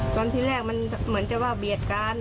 ตอนแรกมันเหมือนจะว่าเบียดกัน